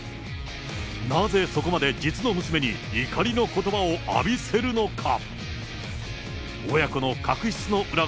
なぜそこまで実の娘に、怒りの言葉を浴びせるのか。